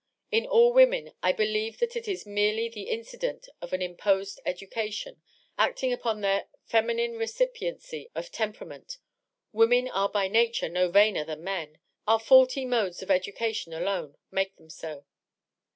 In all women I believe that it is merely the incident of an imposed education, acting upon their feminine re cipiency of temperament. Women are by nature no vainer than men ; our faulty modes of education alone make them so.